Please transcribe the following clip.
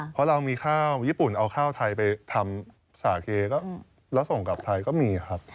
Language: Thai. เพราะเรามีข้าวญี่ปุ่นเอาข้าวไทยไปทำสาเคแล้วส่งกลับไทยก็มีครับ